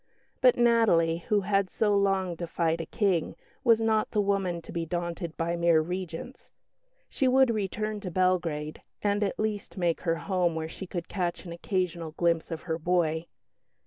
But Natalie, who had so long defied a King, was not the woman to be daunted by mere Regents. She would return to Belgrade, and at least make her home where she could catch an occasional glimpse of her boy.